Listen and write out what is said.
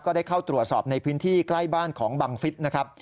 ได้เข้าตรวจสอบในพื้นที่ใกล้บ้านของบังฟิศนะครับ